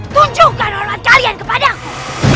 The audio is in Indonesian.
tunjukkan orang orang kalian kepadamu